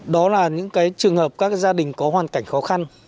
đó là những trường hợp các gia đình có hoàn cảnh khó khăn